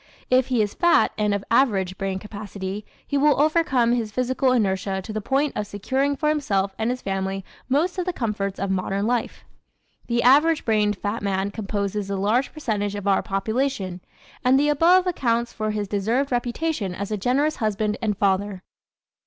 If he is fat and of average brain capacity he will overcome his physical inertia to the point of securing for himself and his family most of the comforts of modern life. The average brained fat man composes a large percentage of our population and the above accounts for his deserved reputation as a generous husband and father.